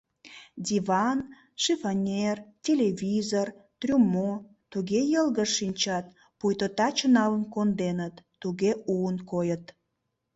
Диван, шифоньер, телевизор, трюмо — туге йылгыж шинчат, пуйто таче налын конденыт, туге уын койыт.